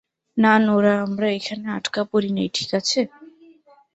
না, নোরাহ, আমরা এখানে আটকা পড়ি নাই, ঠিক আছে?